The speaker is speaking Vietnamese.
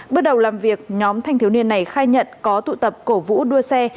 bước đầu làm việc nhóm thanh thiếu niên này khai nhận có tụ tập cổ vũ đua xe